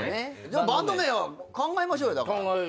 バンド名考えましょうよだから。